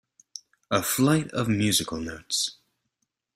A flight of musical notes.